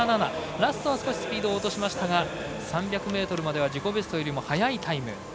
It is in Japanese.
ラストは少しスピード落としましたが３００ｍまでは自己ベストより速いタイム。